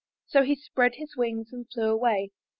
So he spread his wings and flew away.